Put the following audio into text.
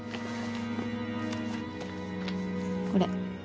これ。